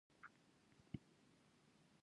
زده کړه د نجونو د سوداګرۍ فکر پیاوړی کوي.